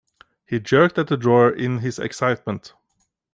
He jerked at the drawer in his excitement.